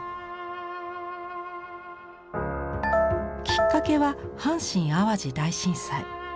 きっかけは阪神・淡路大震災。